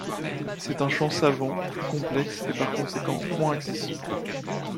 C’est un chant savant plus complexe et par conséquent, moins accessible.